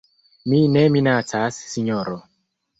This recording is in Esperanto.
Mi ne minacas, sinjoro.